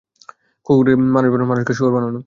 কুকুরকে মানুষ বানানো, মানুষকে শুয়োর বানানো।